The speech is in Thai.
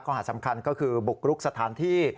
หาสำคัญก็คือบุกรุกสถานที่